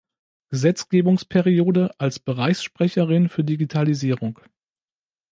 Gesetzgebungsperiode als Bereichssprecherin für Digitalisierung.